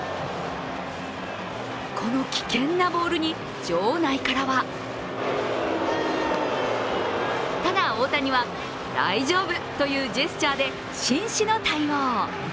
この危険なボールに場内からはただ、大谷は大丈夫というジェスチャーで紳士の対応。